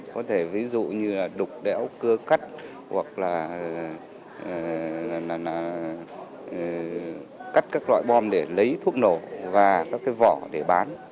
có thể ví dụ như là đục đẽo cưa cắt hoặc là cắt các loại bom để lấy thuốc nổ và các cái vỏ để bán